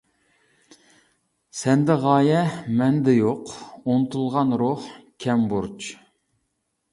سەندە غايە مەندە يوق، ئۇنتۇلغان روھ كەم بۇرچ.